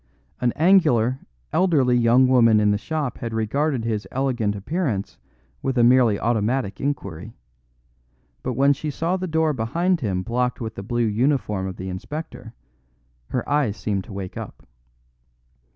An angular, elderly young woman in the shop had regarded his elegant appearance with a merely automatic inquiry; but when she saw the door behind him blocked with the blue uniform of the inspector, her eyes seemed to wake up.